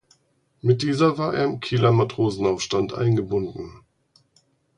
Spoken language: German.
Mit dieser war er im Kieler Matrosenaufstand eingebunden.